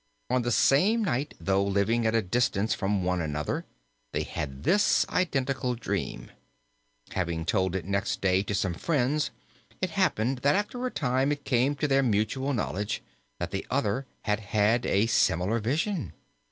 On the same night, though living at a distance from one another, they had this identical dream. Having told it next day to some friends, it happened that after a time it came to their mutual knowledge that the other had had a similar vision.